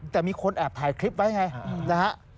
แต่มีคนแอบถ่ายคลิปไว้ไงนะฮะ